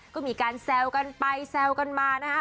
ก็มีการแซวกันไปแซวกันมานะฮะ